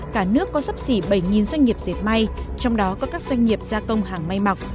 cả nước có sắp xỉ bảy doanh nghiệp dệt may trong đó có các doanh nghiệp gia công hàng may mặc